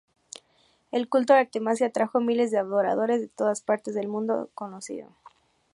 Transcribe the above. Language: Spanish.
El culto de Artemisa atrajo miles de adoradores de todas partes del mundo conocido.